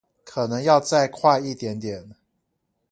可能要再快一點點